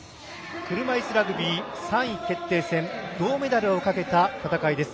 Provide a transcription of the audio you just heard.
車いすラグビー銅メダルをかけた戦いです。